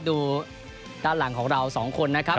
ดูด้านหลังของเราสองคนนะครับ